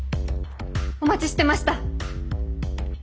お待ちしてました。